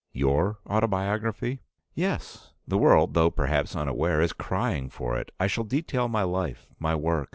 "Your autobiography?" "Yes. The world, though perhaps unaware, is crying for it. I shall detail my life, my work.